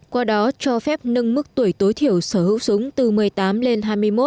qua đó cho phép nâng mức tuổi tối thiểu sở hữu súng từ một mươi tám lên hai mươi một